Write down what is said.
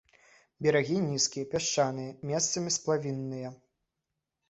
Берагі нізкія, пясчаныя, месцамі сплавінныя.